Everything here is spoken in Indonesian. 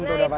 nah itu aja